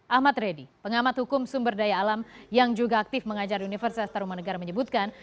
ahmad reddy pengamat hukum sumber daya alam yang juga aktif mengajar universitas taruman negara menyebutkan